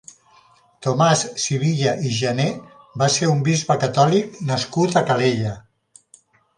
Tomàs Sivilla i Gener va ser un bisbe catòlic nascut a Calella.